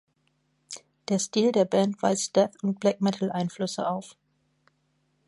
Der Stil der Band weist Death- und Black-Metal-Einflüsse auf.